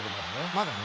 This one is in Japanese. まだね。